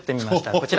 こちら。